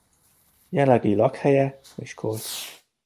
Jelenlegi lakhelye Miskolc.